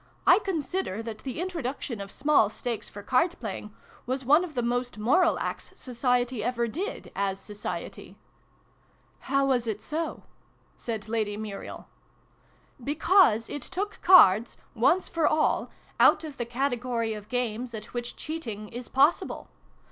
" I consider that the introduction of small stakes for card playing was one of the most moral acts Society ever did, as Society." " How was it so ?" said Lady Muriel. " Because it took Cards, once for all, out of the category of games at which cheating is pos sible.